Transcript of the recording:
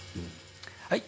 はい。